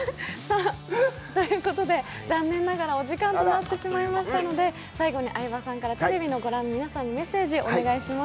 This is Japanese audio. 残念ながらお時間となってしまいましたので、最後に相葉さんからテレビをご覧の皆さんにメッセージをお願いします。